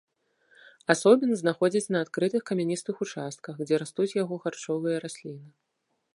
Асобін знаходзяць на адкрытых камяністых участках, дзе растуць яго харчовыя расліны.